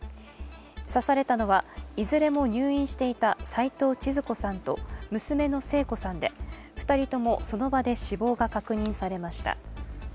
刺されたのは、いずれも入院していた齊藤ちづ子さんと娘の聖子さんで２人ともその場で死亡が確認されました。